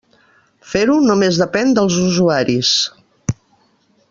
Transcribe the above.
Fer-ho només depèn dels usuaris.